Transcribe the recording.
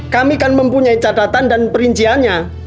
kami kan mempunyai catatan dan perinciannya